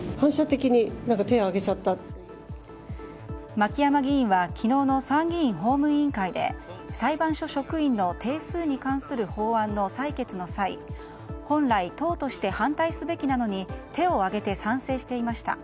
牧山議員は昨日の参議院法務委員会で裁判所職員の定数に関する法案の採決の際本来、党として反対すべきなのに手を挙げて賛成していました。